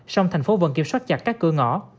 song thành phố vẫn kiểm soát chặt các cửa ngõ